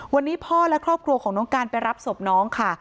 วันนี้พ่อและครอบครัวของน้องการไปรับศพน้องค่ะ